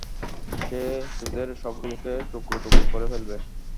সে তোদের সবগুলাকে টুকরোটুকরো করে ফেলবে।